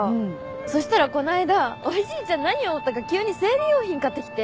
そしたらこないだおじいちゃん何を思ったか急に生理用品買ってきて。